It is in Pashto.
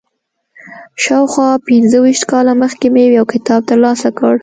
شاوخوا پنځه ویشت کاله مخکې مې یو کتاب تر لاسه کړ.